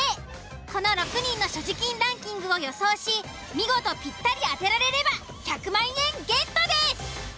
この６人の所持金ランキングを予想し見事ぴったり当てられれば１００万円ゲットです！